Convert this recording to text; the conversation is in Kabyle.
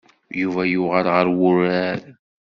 Yuba yuɣal ɣer urar.